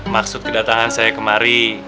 maksud kedatangan saya kemari